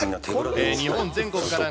日本全国からね。